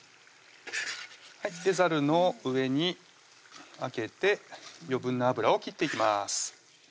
ざるの上にあけて余分な油を切っていきます